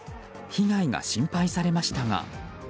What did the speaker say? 被害が心配されましたが。